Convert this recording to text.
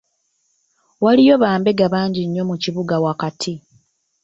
Waliyo bambega bangi nnyo mu kibuga wakati.